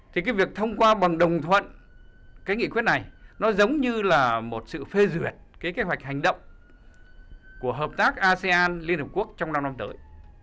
thì cái việc thông qua bằng đồng thuận cái nghị quyết này nó giống như là một sự phê duyệt cái kế hoạch hành động của hợp tác asean liên hợp quốc trong năm năm tới